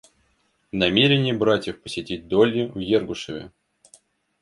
Намерение братьев посетить Долли в Ергушове.